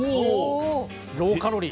ローカロリー。